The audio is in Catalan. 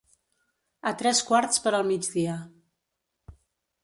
A tres quarts per al migdia.